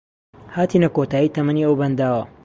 هاتینە کۆتایی تەمەنی ئەو بەنداوە